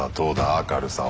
明るさは。